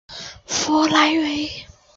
弗莱维。